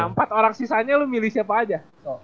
nah empat orang sisanya lu milih siapa aja